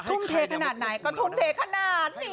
ทุ่มเทขนาดไหนก็ทุ่มเทขนาดนี้